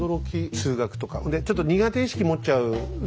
数学とかちょっと苦手意識持っちゃうね